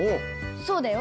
そうだよ！